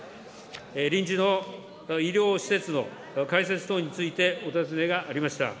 臨時の医療施設の開設等についてお尋ねがありました。